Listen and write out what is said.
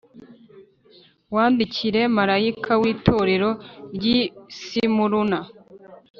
“Wandikire marayika w’Itorero ry’i Simuruna